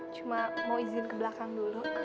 cuma mau izin ke belakang dulu